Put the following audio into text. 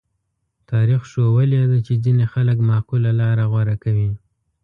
تاریخ ښوولې ده چې ځینې خلک معقوله لاره غوره کوي.